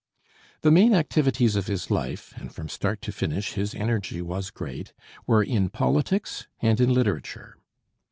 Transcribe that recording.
The main activities of his life and from start to finish his energy was great were in politics and in literature.